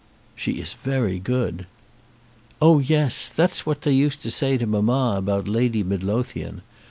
"She is very good." "Oh yes. That is what they used to say to mamma about Lady Midlothian.